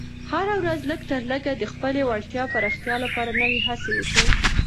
هره ورځ لږ تر لږه د خپلې وړتیا پراختیا لپاره نوې هڅه وکړه.